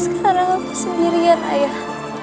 sekarang aku sendirian ayah